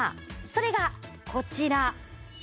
それがこちら。